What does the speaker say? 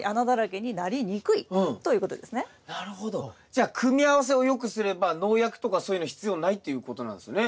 じゃあ組み合わせを良くすれば農薬とかそういうの必要ないっていうことなんですね。